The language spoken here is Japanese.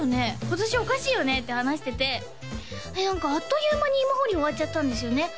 今年おかしいよね」って話してて何かあっという間に芋掘り終わっちゃったんですよね